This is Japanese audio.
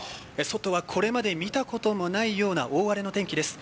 外はこれまで見たこともないような大荒れの天気です。